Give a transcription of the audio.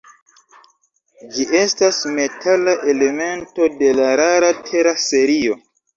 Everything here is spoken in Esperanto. Ĝi estas metala elemento de la rara tera serio.